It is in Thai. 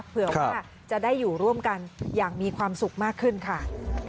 เผื่อว่าจะได้อยู่ร่วมกันอย่างมีความสุขมากขึ้นค่ะ